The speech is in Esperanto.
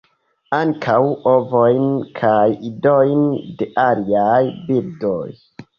Ankaŭ ovojn kaj idojn de aliaj birdoj.